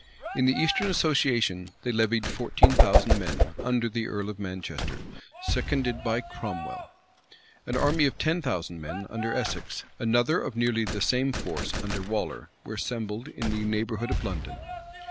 In the eastern association they levied fourteen thousand men, under the earl of Manchester, seconded by Cromwell.[*] An army of ten thousand men, under Essex; another of nearly the same force, under Waller, were assembled in the neighborhood of London.